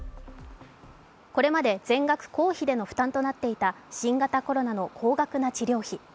これまで全額公費での負担となっていた新型コロナの高額な治療薬。